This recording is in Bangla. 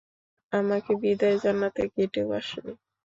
আমাকে বিদায় জানাতে গেটেও আসেনি।